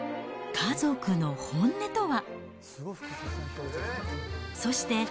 家族の本音とは。